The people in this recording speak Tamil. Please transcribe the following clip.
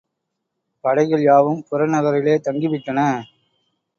படைகள் யாவும் புறநகரிலே தங்கி விட்டன.